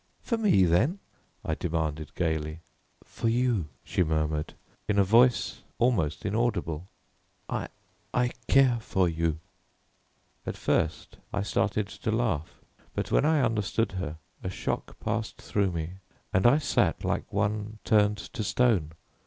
"For me, then?" I demanded gaily. "For you," she murmured in a voice almost inaudible. "I I care for you." At first I started to laugh, but when I understood her, a shock passed through me, and I sat like one turned to stone.